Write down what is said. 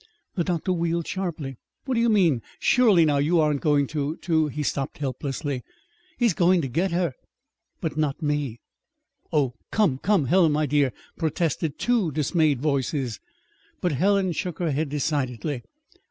The doctor wheeled sharply. "What do you mean? Surely, now you aren't going to to " He stopped helplessly. "He's going to get her but not me." "Oh, come, come, Helen, my dear!" protested two dismayed voices. But Helen shook her head decidedly.